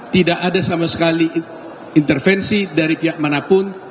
tidak ada sama sekali intervensi dari pihak manapun